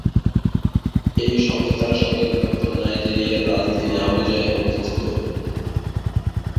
এই সংস্থার সদর দপ্তর নাইজেরিয়ার রাজধানী আবুজায় অবস্থিত।